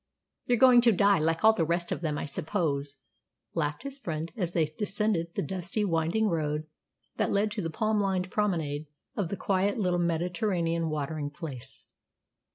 "You're going to die, like all the rest of them, I suppose," laughed his friend, as they descended the dusty, winding road that led to the palm lined promenade of the quiet little Mediterranean watering place.